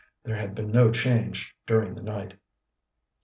There had been no change during the night.